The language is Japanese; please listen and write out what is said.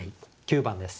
４番です。